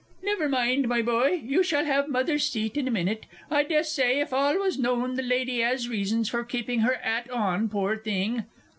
Never mind, my boy, you shall have Mother's seat in a minute. I dessay, if all was known, the lady 'as reasons for keeping her 'at on, pore thing!